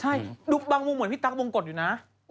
ใช่ดูบางมุมเหมือนพี่ตั๊กวงกฎอยู่นะ